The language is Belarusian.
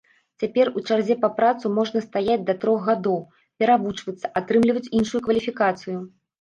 Цяпер у чарзе па працу можна стаяць да трох гадоў, перавучвацца, атрымліваць іншую кваліфікацыю.